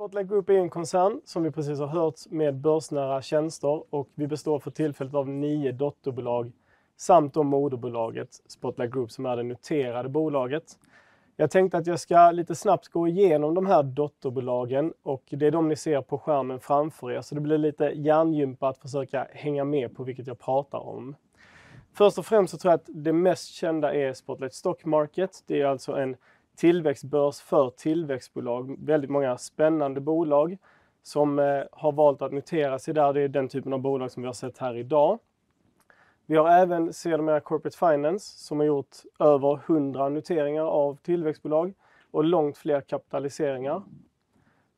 Spotlight Group är en koncern som vi precis har hört med börsnära tjänster. Vi består för tillfället av nine dotterbolag samt då moderbolaget Spotlight Group som är det noterade bolaget. Jag tänkte att jag ska lite snabbt gå igenom de här dotterbolagen. Det är de ni ser på skärmen framför er. Det blir lite hjärngympa att försöka hänga med på vilket jag pratar om. Först och främst tror jag att det mest kända är Spotlight Stock Market. Det är alltså en tillväxtbörs för tillväxtbolag. Väldigt många spännande bolag som har valt att notera sig där. Det är den typen av bolag som vi har sett här i dag. Vi har även Sedermera Corporate Finance som har gjort över 100 noteringar av tillväxtbolag och långt fler kapitaliseringar.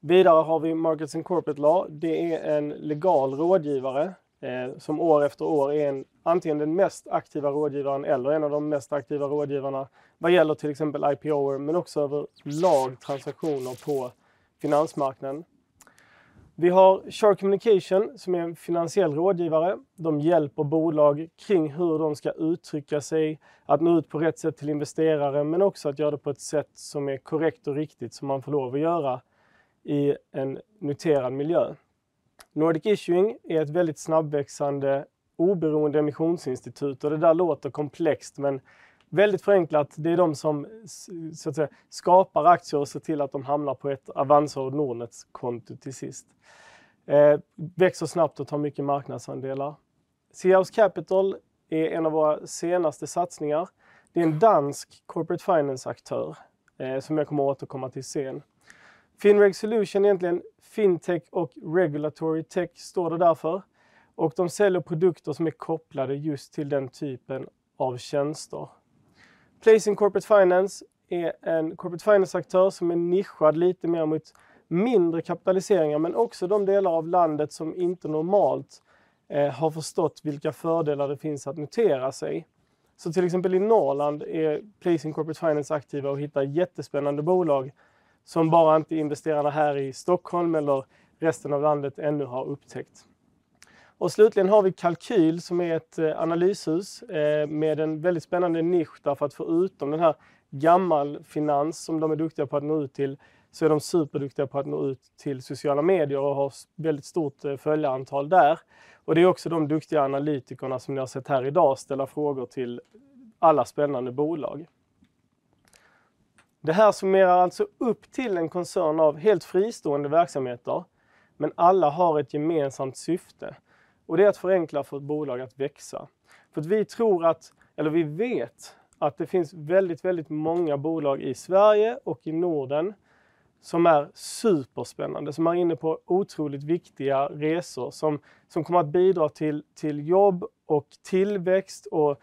Vidare har vi Markets and Corporate Law. Det är en legal rådgivare som år efter år är antingen den mest aktiva rådgivaren eller en av de mest aktiva rådgivarna. Vad gäller till exempel IPO men också över lagtransaktioner på finansmarknaden. Vi har Shark Communication som är en finansiell rådgivare. De hjälper bolag kring hur de ska uttrycka sig, att nå ut på rätt sätt till investerare, men också att göra det på ett sätt som är korrekt och riktigt, som man får lov att göra i en noterad miljö. Nordic Issuing är ett väldigt snabbväxande oberoende emissionsinstitut och det där låter komplext, men väldigt förenklat. Det är de som så att säga skapar aktier och ser till att de hamnar på ett Avanza- och Nordnetskonto till sist. Växer snabbt och tar mycket marknadsandelar. Sejers Capital är en av våra senaste satsningar. Det är en dansk corporate finance-aktör som jag kommer återkomma till sen. FinReg Solutions är egentligen Fintech och Regulatory Tech står det där för och de säljer produkter som är kopplade just till den typen av tjänster. Placing Corporate Finance är en corporate finance-aktör som är nischad lite mer mot mindre kapitaliseringar, men också de delar av landet som inte normalt har förstått vilka fördelar det finns att notera sig. Till exempel i Norrland är Placing Corporate Finance aktiva och hittar jättespännande bolag som bara inte investerarna här i Stockholm eller resten av landet ännu har upptäckt. Slutligen har vi Kalqyl som är ett analyshus med en väldigt spännande nisch därför att förutom den här gammalfinans som de är duktiga på att nå ut till, så är de superduktiga på att nå ut till sociala medier och har väldigt stort följarantal där. Det är också de duktiga analytikerna som ni har sett här i dag ställa frågor till alla spännande bolag. Det här summerar alltså upp till en koncern av helt fristående verksamheter, men alla har ett gemensamt syfte och det är att förenkla för ett bolag att växa. För att vi tror att, eller vi vet att det finns väldigt många bolag i Sverige och i Norden som är superspännande, som är inne på otroligt viktiga resor, som kommer att bidra till jobb och tillväxt och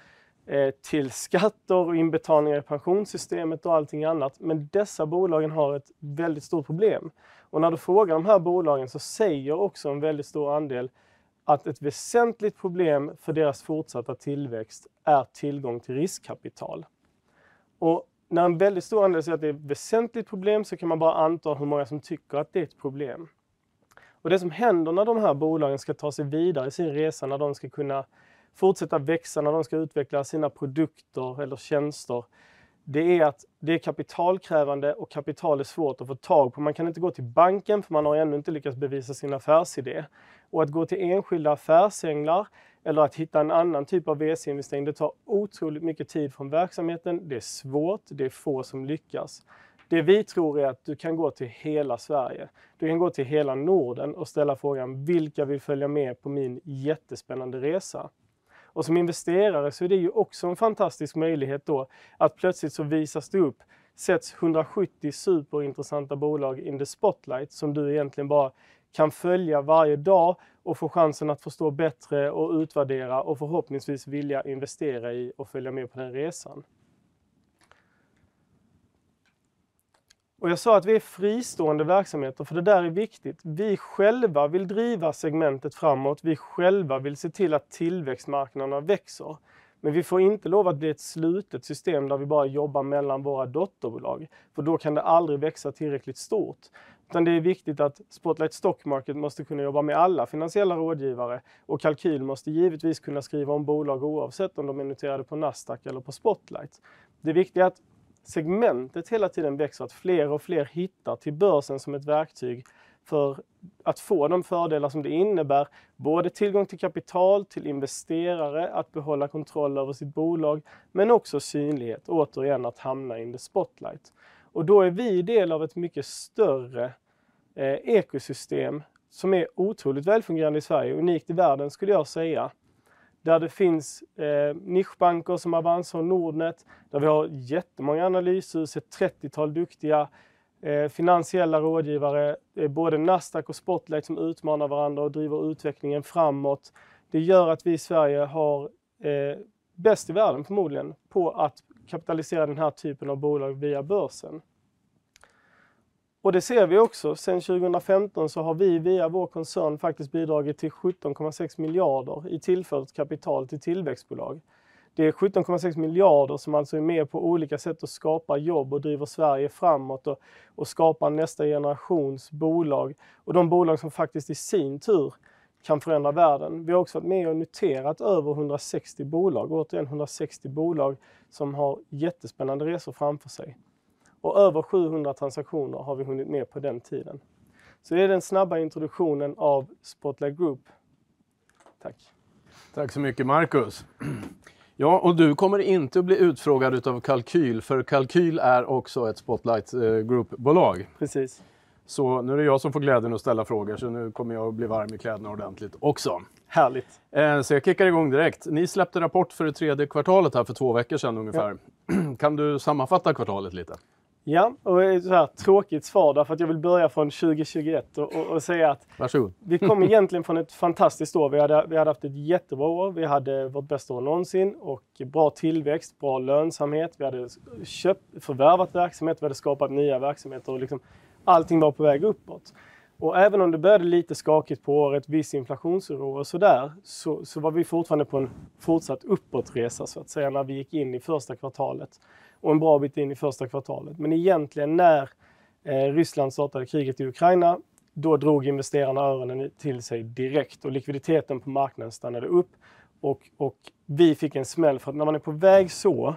till skatter och inbetalningar i pensionssystemet och allting annat. Dessa bolagen har ett väldigt stort problem. När du frågar de här bolagen så säger också en väldigt stor andel att ett väsentligt problem för deras fortsatta tillväxt är tillgång till riskkapital. När en väldigt stor andel säger att det är ett väsentligt problem så kan man bara anta hur många som tycker att det är ett problem. Det som händer när de här bolagen ska ta sig vidare i sin resa, när de ska kunna fortsätta växa, när de ska utveckla sina produkter eller tjänster, det är att det är kapitalkrävande och kapital är svårt att få tag på. Man kan inte gå till banken för man har ännu inte lyckats bevisa sin affärsidé. Att gå till enskilda affärsänglar eller att hitta en annan typ av VC-investering, det tar otroligt mycket tid från verksamheten. Det är svårt, det är få som lyckas. Det vi tror är att du kan gå till hela Sverige. Du kan gå till hela Norden och ställa frågan, vilka vill följa med på min jättespännande resa? Som investerare så är det ju också en fantastisk möjlighet då att plötsligt så visas det upp, sätts 170 superintressanta bolag in the Spotlight som du egentligen bara kan följa varje dag och få chansen att förstå bättre och utvärdera och förhoppningsvis vilja investera i och följa med på den resan. Jag sa att vi är fristående verksamheter för det där är viktigt. Vi själva vill driva segmentet framåt. Vi själva vill se till att tillväxtmarknaderna växer. Vi får inte lov att bli ett slutet system där vi bara jobbar mellan våra dotterbolag, för då kan det aldrig växa tillräckligt stort. Det är viktigt att Spotlight Stock Market måste kunna jobba med alla finansiella rådgivare och Kalqyl måste givetvis kunna skriva om bolag oavsett om de är noterade på Nasdaq eller på Spotlight. Det viktiga är att segmentet hela tiden växer, att fler och fler hittar till börsen som ett verktyg för att få de fördelar som det innebär. Både tillgång till kapital, till investerare, att behålla kontroll över sitt bolag, men också synlighet. Återigen att hamna in the Spotlight. Då är vi del av ett mycket större ekosystem som är otroligt välfungerande i Sverige och unikt i världen skulle jag säga. Där det finns nischbanker som Avanza och Nordnet, där vi har jättemånga analyshus, ett trettiotal duktiga finansiella rådgivare, både Nasdaq och Spotlight som utmanar varandra och driver utvecklingen framåt. Det gör att vi i Sverige har bäst i världen förmodligen på att kapitalisera den här typen av bolag via börsen. Det ser vi också. Sen 2015 så har vi via vår koncern faktiskt bidragit till SEK 17.6 miljarder i tillfört kapital till tillväxtbolag. Det är SEK 17.6 billion som alltså är med på olika sätt att skapa jobb och driver Sverige framåt och skapar nästa generations bolag och de bolag som faktiskt i sin tur kan förändra världen. Vi har också varit med och noterat över 160 bolag. Återigen 160 bolag som har jättespännande resor framför sig. Över 700 transaktioner har vi hunnit med på den tiden. Det är den snabba introduktionen av Spotlight Group. Tack. Tack så mycket Marcus. Ja, du kommer inte att bli utfrågad utav Kalqyl för Kalqyl är också ett Spotlight Group bolag. Precis. Nu är det jag som får glädjen att ställa frågor. Nu kommer jag att bli varm i kläderna ordentligt också. Härligt. jag kickar i gång direkt. Ni släppte rapport för det tredje kvartalet här för två veckor sedan ungefär. Kan du sammanfatta kvartalet lite? Ja, det är ett såhär tråkigt svar därför att jag vill börja från 2021 och säga. Varsågod. Vi kom egentligen från ett fantastiskt år. Vi hade haft ett jättebra år. Vi hade vårt bästa år någonsin och bra tillväxt, bra lönsamhet. Vi hade köpt, förvärvat verksamhet, vi hade skapat nya verksamheter. Allting var på väg uppåt. Även om det började lite skakigt på året, viss inflationsoro och sådär, så var vi fortfarande på en fortsatt uppåtresa så att säga när vi gick in i första kvartalet. En bra bit in i första kvartalet. Egentligen när Ryssland startade kriget i Ukraina, då drog investerarna öronen till sig direkt och likviditeten på marknaden stannade upp och vi fick en smäll. När man är på väg så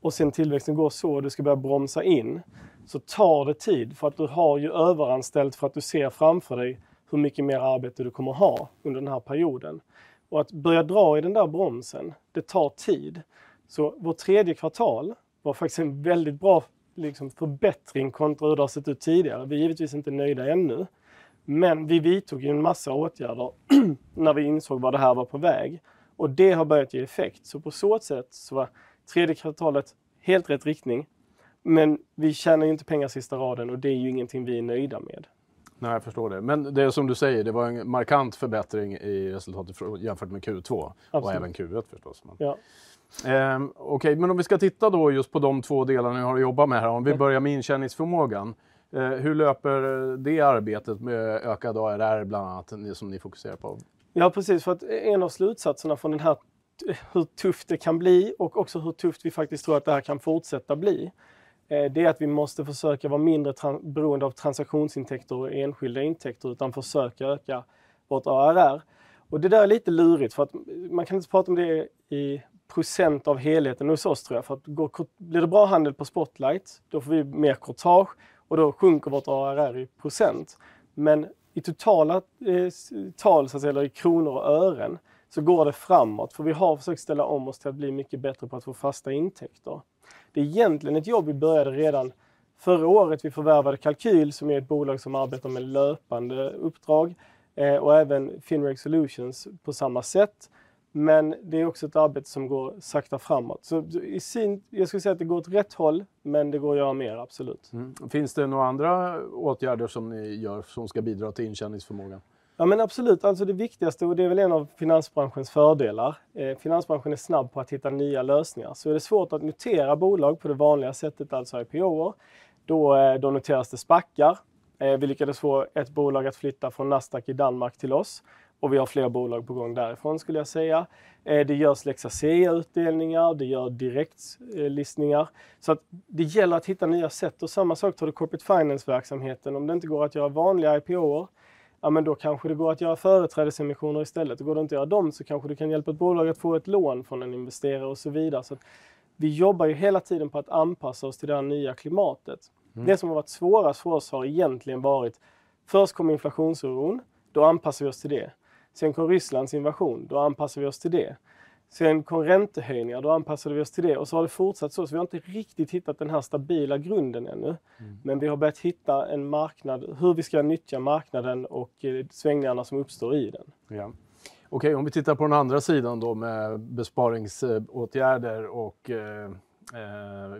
och sen tillväxten går så och du ska börja bromsa in, så tar det tid för att du har ju överanställt för att du ser framför dig hur mycket mer arbete du kommer att ha under den här perioden. Att börja dra i den där bromsen, det tar tid. Vårt tredje kvartal var faktiskt en väldigt bra liksom förbättring kontra hur det har sett ut tidigare. Vi är givetvis inte nöjda ännu, men vi vidtog ju en massa åtgärder när vi insåg var det här var på väg och det har börjat ge effekt. På så sätt så var tredje kvartalet helt rätt riktning. Vi tjänar ju inte pengar sista raden och det är ju ingenting vi är nöjda med. Jag förstår det. Det är som du säger, det var en markant förbättring i resultatet jämfört med Q2 och även Q1 förstås. Okej, om vi ska titta då just på de två delarna ni har jobbat med här. Om vi börjar med intjäningsförmågan, hur löper det arbetet med ökad ARR bland annat som ni fokuserar på? Ja, precis. En av slutsatserna från den här, hur tufft det kan bli och också hur tufft vi faktiskt tror att det här kan fortsätta bli, det är att vi måste försöka vara mindre beroende av transaktionsintäkter och enskilda intäkter, utan försöka öka vårt ARR. Det där är lite lurigt för att man kan inte prata om det i % av helheten hos oss tror jag. Blir det bra handel på Spotlight, då får vi mer courtage och då sjunker vårt ARR i %. I totala tal så att säga eller i kronor och ören så går det framåt för vi har försökt ställa om oss till att bli mycket bättre på att få fasta intäkter. Det är egentligen ett jobb vi började redan förra året. Vi förvärvade Kalqyl som är ett bolag som arbetar med löpande uppdrag och även FinReg Solutions på samma sätt. Det är också ett arbete som går sakta framåt. Jag skulle säga att det går åt rätt håll, men det går att göra mer absolut. Finns det några andra åtgärder som ni gör som ska bidra till intjäningsförmågan? Absolut. Alltså det viktigaste och det är väl en av finansbranschens fördelar. Finansbranschen är snabb på att hitta nya lösningar. Är det svårt att notera bolag på det vanliga sättet, alltså IPOs. Då noteras det Spacar. Vi lyckades få ett bolag att flytta från Nasdaq i Danmark till oss och vi har flera bolag på gång därifrån skulle jag säga. Det görs Lex ASEA-utdelningar, det gör direktlistningar. Det gäller att hitta nya sätt. Samma sak tar du corporate finance-verksamheten. Går det inte att göra vanliga IPOs, ja men då kanske det går att göra företrädesemissioner istället. Går det inte att göra dem så kanske du kan hjälpa ett bolag att få ett lån från en investerare och så vidare. Vi jobbar ju hela tiden på att anpassa oss till det här nya klimatet. Det som har varit svårast för oss har egentligen varit först kom inflationsoron, då anpassar vi oss till det. Kom Russia's invasion, då anpassar vi oss till det. Kom räntehöjningar, då anpassade vi oss till det. Har det fortsatt så. Vi har inte riktigt hittat den här stabila grunden ännu, men vi har börjat hitta en marknad, hur vi ska nyttja marknaden och svängningarna som uppstår i den. Ja, okej, om vi tittar på den andra sidan då med besparingsåtgärder och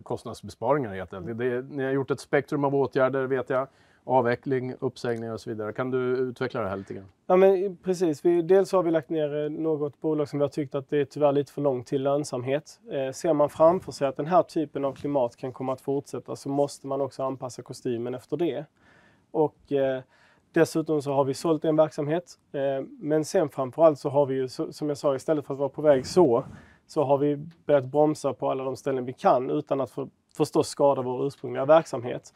kostnadsbesparingar helt enkelt. Ni har gjort ett spektrum av åtgärder vet jag. Avveckling, uppsägningar och så vidare. Kan du utveckla det här lite grann? Precis. Vi, dels har vi lagt ner något bolag som vi har tyckt att det är tyvärr lite för långt till lönsamhet. Ser man framför sig att den här typen av klimat kan komma att fortsätta så måste man också anpassa kostymen efter det. Dessutom har vi sålt en verksamhet. Framför allt har vi, som jag sa, istället för att vara på väg, har vi börjat bromsa på alla de ställen vi kan utan att förstås skada vår ursprungliga verksamhet.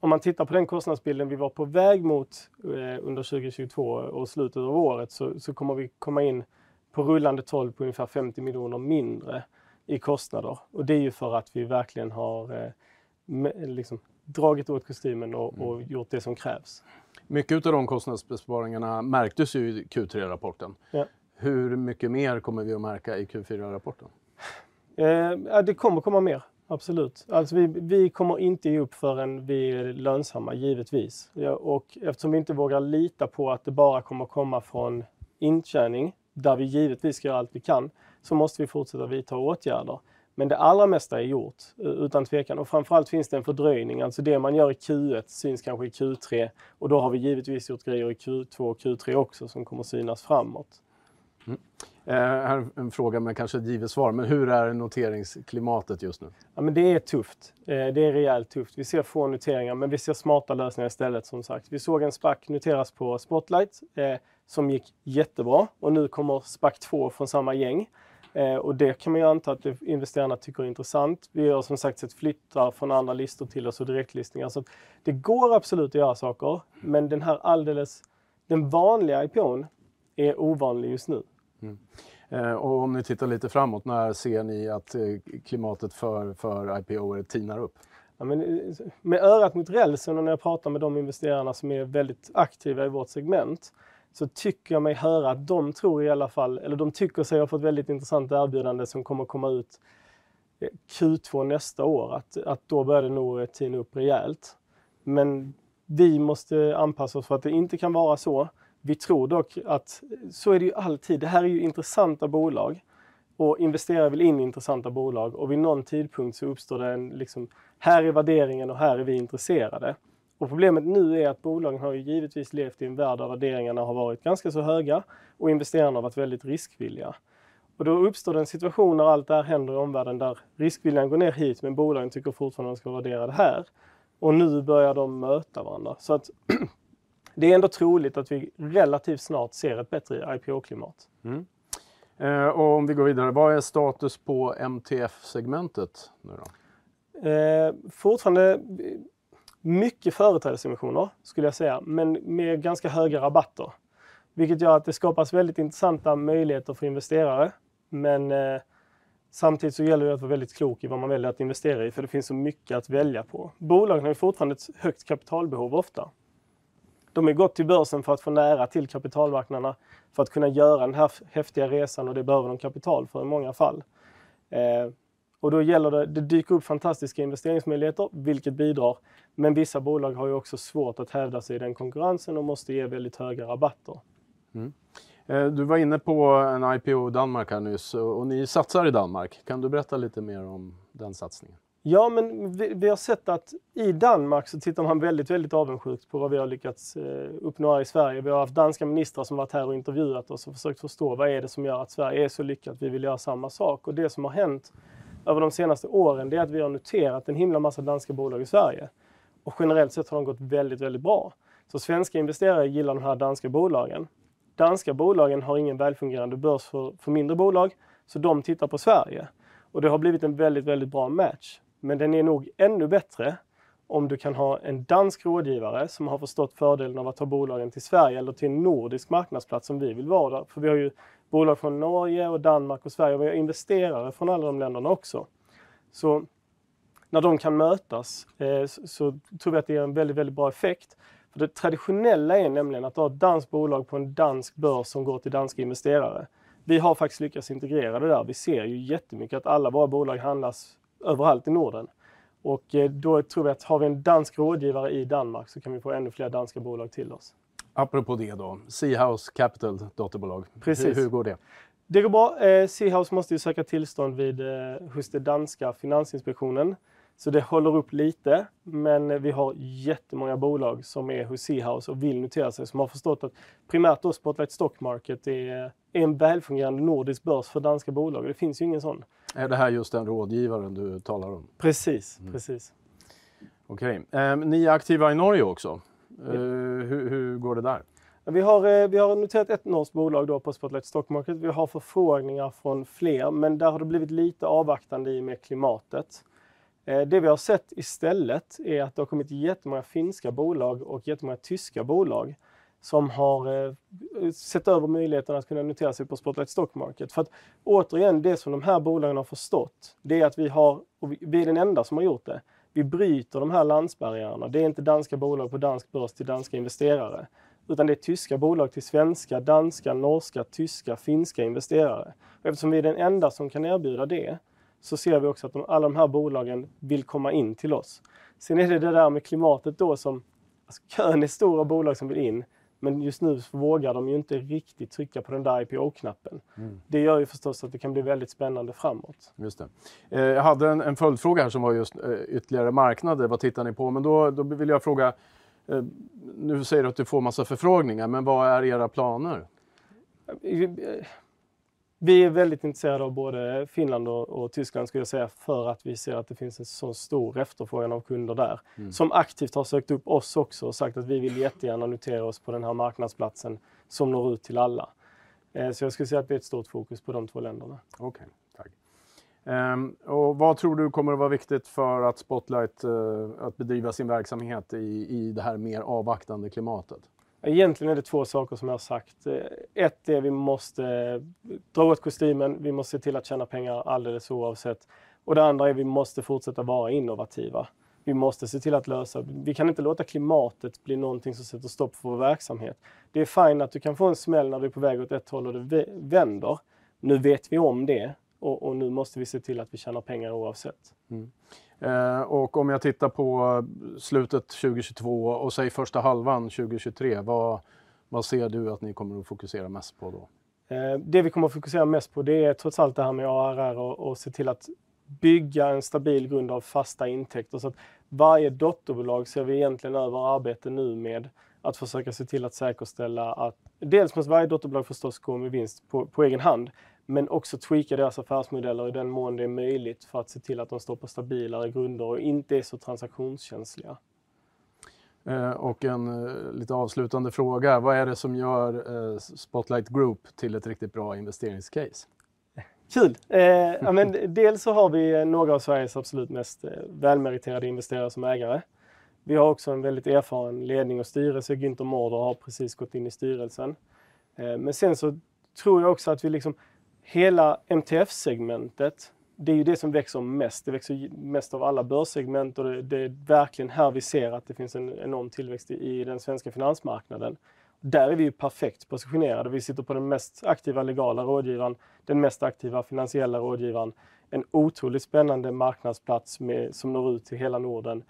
Om man tittar på den kostnadsbilden vi var på väg mot under 2022 och slutet av året, kommer vi komma in på rullande tolv på ungefär SEK 50 million mindre i kostnader. Det är för att vi verkligen har liksom dragit åt kostymen och gjort det som krävs. Mycket utav de kostnadsbesparingarna märktes ju i Q3-rapporten. Hur mycket mer kommer vi att märka i Q4-rapporten? Ja det kommer komma mer, absolut. Vi kommer inte ge upp förrän vi är lönsamma givetvis. Eftersom vi inte vågar lita på att det bara kommer komma från intjäning, där vi givetvis gör allt vi kan, så måste vi fortsätta vidta åtgärder. Det allra mesta är gjort, utan tvekan. Framför allt finns det en fördröjning. Det man gör i Q1 syns kanske i Q3 och då har vi givetvis gjort grejer i Q2 och Q3 också som kommer synas framåt. Här en fråga med kanske ett givet svar, men hur är noteringsklimatet just nu? Det är tufft. Det är rejält tufft. Vi ser få noteringar, men vi ser smarta lösningar istället som sagt. Vi såg en SPAC noteras på Spotlight som gick jättebra och nu kommer SPAC 2 från samma gäng. Det kan man ju anta att investerarna tycker är intressant. Vi har som sagt sett flyttar från andra listor till oss och direktlistningar. Det går absolut att göra saker, men den här alldeles, den vanliga IPO:n är ovanlig just nu. Om ni tittar lite framåt, när ser ni att klimatet för IPO:er tinar upp? Med örat mot rälsen och när jag pratar med de investerarna som är väldigt aktiva i vårt segment, så tycker jag mig höra att de tror i alla fall, eller de tycker sig ha fått väldigt intressant erbjudande som kommer komma ut Q2 nästa år. Då bör det nog tina upp rejält. Vi måste anpassa oss för att det inte kan vara så. Vi tror dock att så är det ju alltid. Det här är ju intressanta bolag och investerare vill in i intressanta bolag. Vid nån tidpunkt så uppstår det en liksom, här är värderingen och här är vi intresserade. Problemet nu är att bolagen har ju givetvis levt i en värld där värderingarna har varit ganska så höga och investerarna har varit väldigt riskvilliga. Då uppstår det en situation när allt det här händer i omvärlden där riskviljan går ner hit, men bolagen tycker fortfarande att de ska vara värderade här. Nu börjar de möta varandra. Det är ändå troligt att vi relativt snart ser ett bättre IPO-klimat. Om vi går vidare, vad är status på MTF-segmentet nu då? Fortfarande mycket företrädesemissioner skulle jag säga, men med ganska höga rabatter, vilket gör att det skapas väldigt intressanta möjligheter för investerare. Samtidigt så gäller det att vara väldigt klok i vad man väljer att investera i för det finns så mycket att välja på. Bolagen har ju fortfarande ett högt kapitalbehov ofta. De har gått till börsen för att få nära till kapitalmarknaderna för att kunna göra den här häftiga resan och det behöver de kapital för i många fall. Då gäller det dyker upp fantastiska investeringsmöjligheter, vilket bidrar. Vissa bolag har ju också svårt att hävda sig i den konkurrensen och måste ge väldigt höga rabatter. Mm. Du var inne på en IPO i Danmark här nyss och ni satsar i Danmark. Kan du berätta lite mer om den satsningen? Vi har sett att i Danmark så tittar man väldigt avundsjukt på vad vi har lyckats uppnå här i Sverige. Vi har haft danska ministrar som varit här och intervjuat oss och försökt förstå vad är det som gör att Sverige är så lyckat? Vi vill göra samma sak. Det som har hänt över de senaste åren det är att vi har noterat en himla massa danska bolag i Sverige. Generellt sett har de gått väldigt bra. Svenska investerare gillar de här danska bolagen. Danska bolagen har ingen välfungerande börs för mindre bolag, så de tittar på Sverige. Det har blivit en väldigt bra match. Men den är nog ännu bättre om du kan ha en dansk rådgivare som har förstått fördelen av att ta bolagen till Sverige eller till en nordisk marknadsplats som vi vill vara. För vi har ju bolag från Norge och Danmark och Sverige. Vi har investerare från alla de länderna också. När de kan mötas, så tror vi att det ger en väldigt bra effekt. Det traditionella är nämligen att du har ett danskt bolag på en dansk börs som går till danska investerare. Vi har faktiskt lyckats integrera det där. Vi ser ju jättemycket att alla våra bolag handlas överallt i Norden. Då tror vi att har vi en dansk rådgivare i Danmark så kan vi få ännu fler danska bolag till oss. Apropå det då. SeaHouse Capital dotterbolag. Precis. Hur går det? Det går bra. SeaHouse måste ju söka tillstånd vid, hos det danska finansinspektionen. Det håller upp lite. Vi har jättemånga bolag som är hos SeaHouse och vill notera sig, som har förstått att primärt då Spotlight Stock Market är en välfungerande nordisk börs för danska bolag. Det finns ju ingen sådan. Är det här just den rådgivaren du talar om? Precis, precis. Okej, ni är aktiva i Norge också. Hur, hur går det där? Vi har noterat ett norskt bolag då på Spotlight Stock Market. Vi har förfrågningar från fler, men där har det blivit lite avvaktande i och med klimatet. Det vi har sett istället är att det har kommit jättemånga finska bolag och jättemånga tyska bolag som har sett över möjligheten att kunna notera sig på Spotlight Stock Market. För att återigen, det som de här bolagen har förstått, det är att vi har, och vi är den enda som har gjort det. Vi bryter de här landsbarriärerna. Det är inte danska bolag på dansk börs till danska investerare, utan det är tyska bolag till svenska, danska, norska, tyska, finska investerare. Eftersom vi är den enda som kan erbjuda det, så ser vi också att alla de här bolagen vill komma in till oss. Är det där med klimatet då som, alltså kön är stor av bolag som vill in, men just nu vågar de ju inte riktigt trycka på den där IPO-knappen. Det gör ju förstås att det kan bli väldigt spännande framåt. Just det. Jag hade en följdfråga här som var just ytterligare marknader. Vad tittar ni på? Då, då vill jag fråga, nu säger du att du får en massa förfrågningar, men vad är era planer? Vi är väldigt intresserade av både Finland och Tyskland skulle jag säga, för att vi ser att det finns en så stor efterfrågan av kunder där. Som aktivt har sökt upp oss också och sagt att vi vill jättegärna notera oss på den här marknadsplatsen som når ut till alla. Jag skulle säga att det är ett stort fokus på de två länderna. Okay, tack. Vad tror du kommer att vara viktigt för att Spotlight att bedriva sin verksamhet i det här mer avvaktande klimatet? Egentligen är det två saker som jag har sagt. Ett är vi måste dra åt kostymen, vi måste se till att tjäna pengar alldeles oavsett. Det andra är vi måste fortsätta vara innovativa. Vi måste se till att lösa. Vi kan inte låta klimatet bli någonting som sätter stopp för vår verksamhet. Det är fine att du kan få en smäll när du är på väg åt ett håll och det vänder. Nu vet vi om det och nu måste vi se till att vi tjänar pengar oavsett. Mm. Om jag tittar på slutet 2022 och säg första halvan 2023, vad ser du att ni kommer att fokusera mest på då? Det vi kommer att fokusera mest på det är trots allt det här med ARR och se till att bygga en stabil grund av fasta intäkter. Varje dotterbolag ser vi egentligen över arbete nu med att försöka se till att säkerställa att dels måste varje dotterbolag förstås gå med vinst på egen hand, men också tweaka deras affärsmodeller i den mån det är möjligt för att se till att de står på stabilare grunder och inte är så transaktionskänsliga. En lite avslutande fråga: Vad är det som gör Spotlight Group till ett riktigt bra investeringscase? Kul! Dels så har vi några av Sveriges absolut mest välmeriterade investerare som ägare. Vi har också en väldigt erfaren ledning och styrelse. Günther Mårder har precis gått in i styrelsen. Sen så tror jag också att vi liksom hela MTF-segmentet, det är ju det som växer mest. Det växer mest av alla börssegment. Det är verkligen här vi ser att det finns en enorm tillväxt i den svenska finansmarknaden. Där är vi ju perfekt positionerade. Vi sitter på den mest aktiva legala rådgivaren, den mest aktiva finansiella rådgivaren, en otroligt spännande marknadsplats med, som når ut till hela Norden.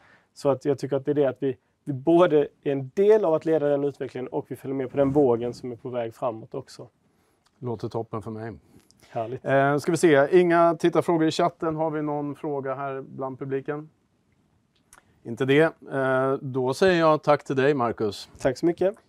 Jag tycker att det är det att vi både är en del av att leda den utvecklingen och vi följer med på den vågen som är på väg framåt också. Låter toppen för mig. Härligt. Ska vi se. Inga tittarfrågor i chatten. Har vi någon fråga här bland publiken? Inte det. Säger jag tack till dig, Marcus. Tack så mycket.